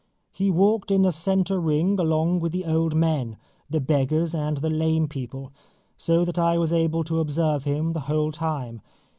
He walked in the centre ring along with the old men, the beggars and the lame people, so that I was able to observe him the whole time.